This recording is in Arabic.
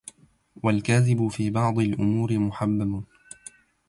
والكذب في بعض الأمور محبب